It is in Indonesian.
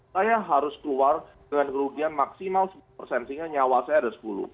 saya harus keluar dengan kerugian maksimal sepuluh persen sehingga nyawa saya ada sepuluh